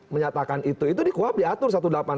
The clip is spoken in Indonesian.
menyatakan itu itu dikuap diatur